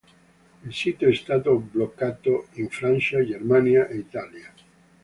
Il sito è stato bloccato in Francia, Germania e Italia.